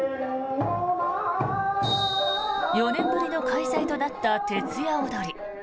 ４年ぶりの開催となった徹夜おどり。